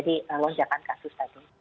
di lonjakan kasus tadi